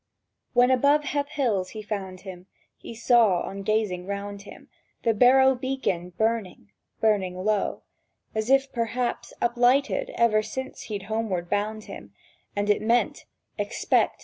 When above He'th Hills he found him, He saw, on gazing round him, The Barrow Beacon burning—burning low, As if, perhaps, uplighted ever since he'd homeward bound him; And it meant: Expect the Foe!